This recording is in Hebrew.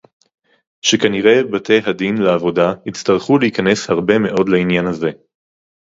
שכנראה בתי-הדין לעבודה יצטרכו להיכנס הרבה מאוד לעניין הזה